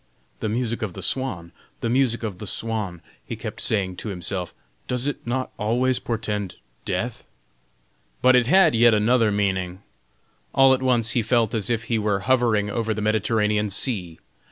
"The music of the swan! the music of the swan!" he kept saying to himself; "does it not always portend death?" But it had yet another meaning. All at once he felt as if he were hovering over the Mediterranean Sea.